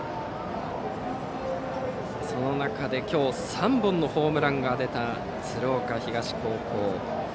その中で今日３本のホームランが出た鶴岡東高校。